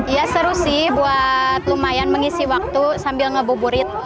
ya seru sih buat lumayan mengisi waktu sambil ngebuburit